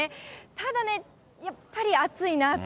ただね、やっぱり暑いなと。